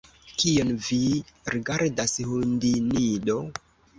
Kion vi rigardas, hundinido?